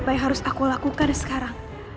apa yang harus aku lakukan sekarang